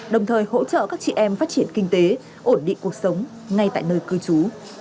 đồng thời hỗ trợ các chị em phát triển kinh tế ổn định cuộc sống ngay tại nơi cư trú